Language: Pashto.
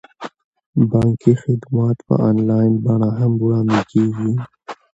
بانکي خدمات په انلاین بڼه هم وړاندې کیږي.